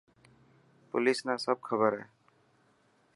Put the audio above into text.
پوليس نا سب کبر هي.